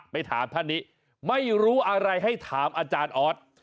ถามท่านนี้ไม่รู้อะไรให้ถามอาจารย์ออส